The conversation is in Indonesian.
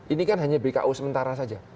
ini kan hanya bko sementara saja